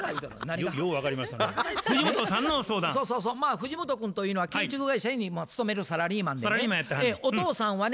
藤本君というのは建築会社に勤めるサラリーマンでねお父さんはね